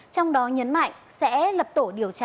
trong đó nhấn mạnh sẽ lập tổ điều tra